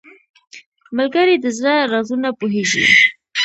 ملګری د زړه رازونه پوهیږي